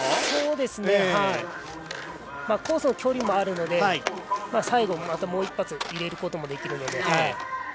そうですね。コースの距離もあるので最後、またもう一発入れることもできるので。